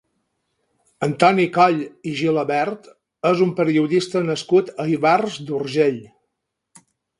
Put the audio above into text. Antoni Coll i Gilabert és un periodista nascut a Ivars d'Urgell.